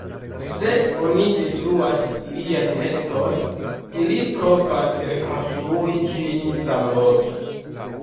Se oni detruas ilian neston, ili provas rekonstrui ĝin samloke.